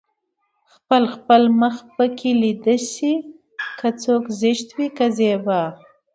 خپل خپل مخ پکې ليده شي که څوک زشت وي که زيبا